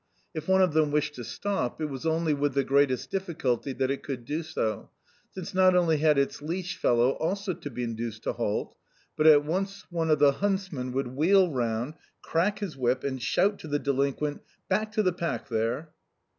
If one of them wished to stop, it was only with the greatest difficulty that it could do so, since not only had its leash fellow also to be induced to halt, but at once one of the huntsmen would wheel round, crack his whip, and shout to the delinquent, "Back to the pack, there!"